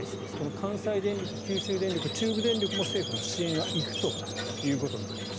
関西電力、九州電力、中部電力も政府の支援は行くということになります。